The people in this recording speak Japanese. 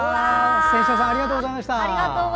仙翔さんありがとうございました。